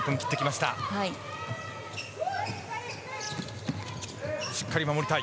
しっかり守りたい。